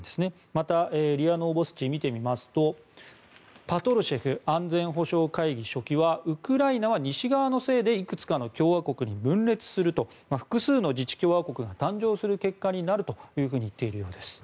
また、ＲＩＡノーボスチを見てみますとパトルシェフ安全保障会議書記はウクライナは西側のせいでいくつかの共和国に分裂するいくつかの自治共和国が誕生する結果になるというふうに言っているようです。